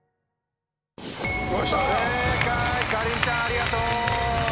かりんちゃんありがとう。